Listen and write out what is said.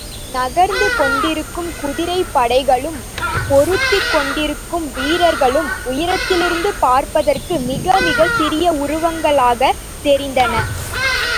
நகர்ந்து கொண்டிருக்கும் குதிரைப்படைகளும் பொருதிக் கொண்டிருக்கும் வீரர்களும், உயரத்திலிருந்து பார்ப்பதற்கு மிகமிகச் சிறிய உருவங்களாகத் தெரிந்தன.